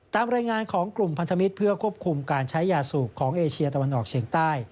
ตามรายงานของกลุ่มพันธมิตรเพื่อควบคุมการใช้ยาสูบของเอเชียตะวันออกเฉียงใต้